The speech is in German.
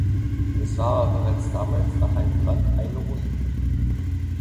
Es war aber bereits damals nach einem Brand eine Ruine.